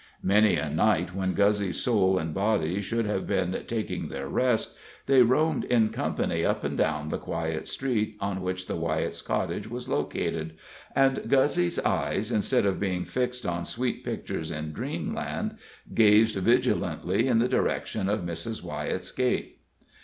Many a night, when Guzzy's soul and body should have been taking their rest, they roamed in company up and down the quiet street on which the Wyetts' cottage was located, and Guzzy's eyes, instead of being fixed on sweet pictures in dreamland, gazed vigilantly in the direction of Mrs. Wyett's gate.